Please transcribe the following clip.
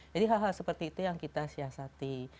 jadi hal hal seperti itu yang kita siasati